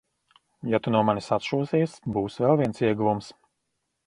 Ja tu no manis atšūsies, būs vēl viens ieguvums.